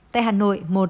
tại hà nội một